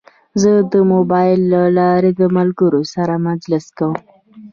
زه د موبایل له لارې د ملګرو سره مجلس کوم.